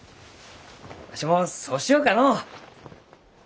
わしもそうしようかのう。